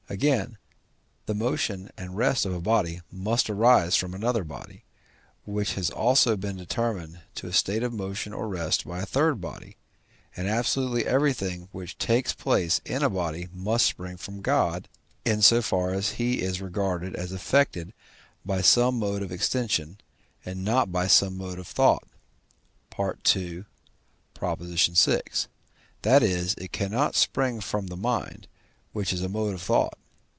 Again, the motion and rest of a body must arise from another body, which has also been determined to a state of motion or rest by a third body, and absolutely everything which takes place in a body must spring from God, in so far as he is regarded as affected by some mode of extension, and not by some mode of thought (II. vi.); that is, it cannot spring from the mind, which is a mode of thought.